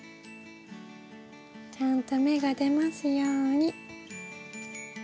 ちゃんと芽が出ますように。